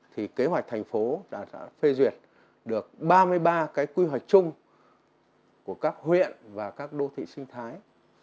thì kế hoạch thành phố đã phê duyệt được ba mươi ba cái quy hoạch chung của các huyện và các đô thị sinh thái